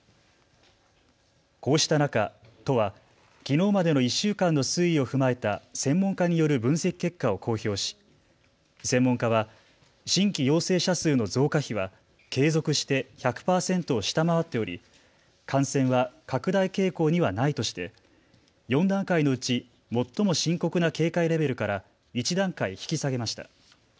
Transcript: こうした中、都はきのうまでの１週間の推移を踏まえた専門家による分析結果を公表し専門家は新規陽性者数の増加比は継続して１００％を下回っており感染は拡大傾向にはないとして４段階のうち最も深刻な警戒レベルから１段階引き下げました。